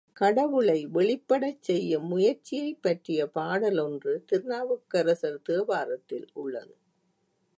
கடவுளை வெளிப்படச் செய்யும் முயற்சியைப் பற்றிய பாடல் ஒன்று திருநாவுக்கரசர் தேவாரத்தில் உள்ளது.